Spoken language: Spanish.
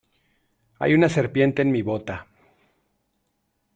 Hay una serpiente en mi bota.